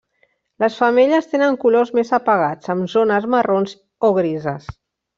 Les femelles tenen colors més apagats, amb zones marrons o grises.